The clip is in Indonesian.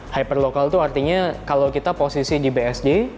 hyper lokal itu artinya kalau kita posisi di bsd